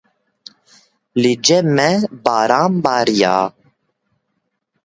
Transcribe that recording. Li cem me baran barîya